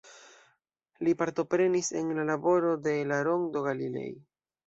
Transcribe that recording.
Li partoprenis en la laboro de la Rondo Galilei.